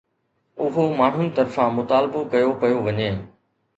اهو ماڻهن طرفان مطالبو ڪيو پيو وڃي